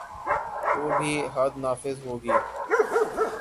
تو بھی حد نافذ ہو گی۔